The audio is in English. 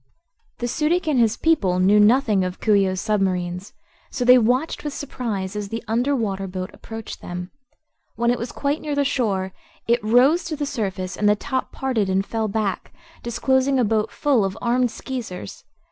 The Su dic and his people knew nothing of Coo ee oh's submarines, so they watched with surprise as the under water boat approached them. When it was quite near the shore it rose to the surface and the top parted and fell back, disclosing a boat full of armed Skeezers.